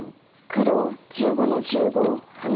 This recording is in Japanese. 黒１５の十五ハネ。